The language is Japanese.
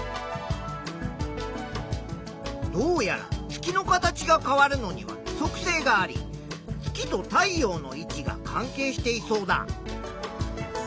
どうやら月の形が変わるのには規則性があり月と太陽の位置が関係していそうだ。